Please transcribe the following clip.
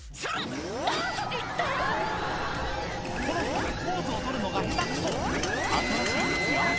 この人ポーズを取るのがヘタくそ「新しい靴よ